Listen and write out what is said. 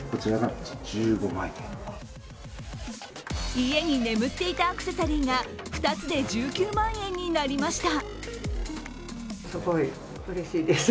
家に眠っていたアクセサリーが２つで１９万円になりました。